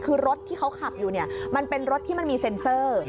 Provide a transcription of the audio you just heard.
คือรถที่เขาขับอยู่เนี่ยมันเป็นรถที่มันมีเซ็นเซอร์